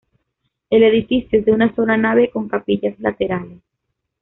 El edificio es de una sola nave con capillas laterales.